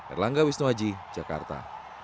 erlangga wisnuaji jakarta